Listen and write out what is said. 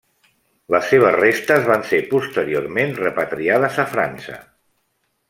Les seves restes van ser posteriorment repatriades a França.